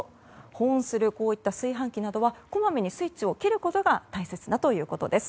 保温する炊飯器などはこまめにスイッチを切ることが大切だということです。